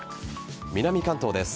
南関東です。